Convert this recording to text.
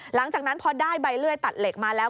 หลังจากนั้นพอได้ใบเลื่อยตัดเหล็กมาแล้ว